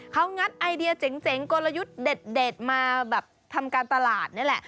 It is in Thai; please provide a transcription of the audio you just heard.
เขางัดไอเดียเจ๋งกลยุทธ์เด็ดมาแบบทำการตลาดนี่แหละ